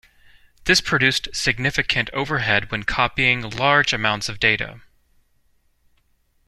This produced significant overhead when copying large amounts of data.